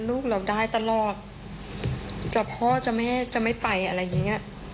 ลูกเราได้ตลอดจะพ่อจะแม่จะไม่ไปอะไรอย่างเงี้ย